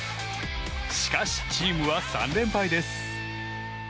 しかし、チームは３連敗です。